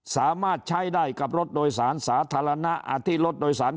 สามารถใช้ได้กับรถโดยสารสาธารณะอาทิตรถโดยสาร